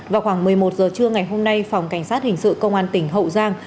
vào khoảng một mươi một giờ trưa ngày hôm nay phòng cảnh sát hình sự công an tỉnh hậu giang